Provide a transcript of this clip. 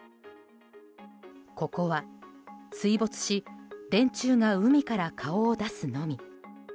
ここは水没し電柱が海から顔を出すのみ。